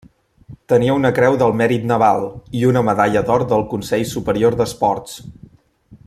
Tenia una Creu del Mèrit Naval i una medalla d'or del Consell Superior d'Esports.